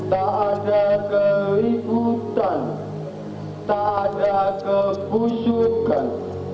tak ada keributan tak ada kekusukan